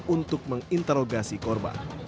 untuk menginterogasi korban